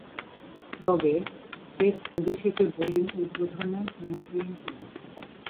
তবে, টেস্ট অভিষেকে বোলিং উদ্বোধনে নেমেছিলেন তিনি।